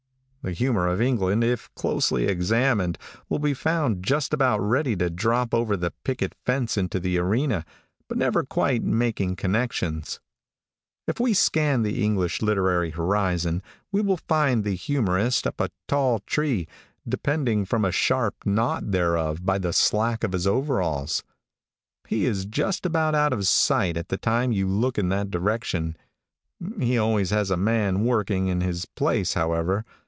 The humor of England, if closely examined, will be found just about ready to drop over the picket fence into the arena, but never quite making connections. If we scan the English literary horizon, we will find the humorist up a tall tree, depending from a sharp knot thereof by the slack of his overalls. He is just out of sight at the time you look in that direction. He always has a man working in his place, however.